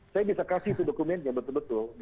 saya bisa kasih itu dokumennya betul betul